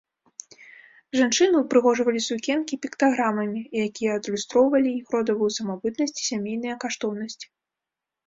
Жанчыны ўпрыгожвалі сукенкі піктаграмамі, якія адлюстроўвалі іх родавую самабытнасць і сямейныя каштоўнасці.